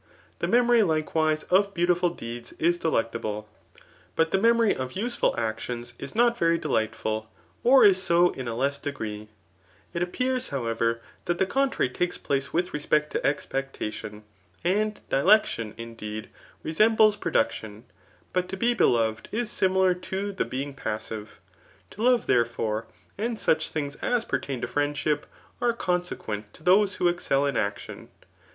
The memory, likewise, of beautiful deeds is delectable } but the memory of \isefai Digitized by Google 348 TH£ NiCOMA€H£AN 9pO^ IX« actioni, » not very delightful, or i« so ia a kai^il^ee. It appears^ however, that the cootrary takes place with req>ect to expectation. And dilecdon, indeed, resem ble production; but to be beloved is similar to the being passive. To love^ therefore, and such things as pertab to friwdship, are consequent to those who excd, in action.